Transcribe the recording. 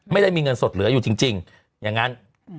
ไม่ได้มีเงินสดเหลืออยู่จริงอย่างนั้น